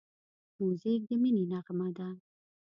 موزیک د مینې نغمه ده.